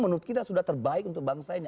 menurut kita sudah terbaik untuk bangsa ini